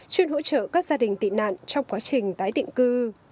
chuyên hỗ trợ các gia đình tị nạn trong quá trình tái định cư